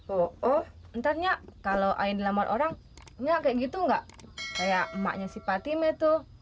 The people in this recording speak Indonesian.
oh entarnya kalau air dilamar orangnya kayak gitu enggak kayak emaknya si patime tuh